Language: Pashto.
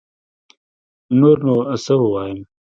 نور نو سه ووايم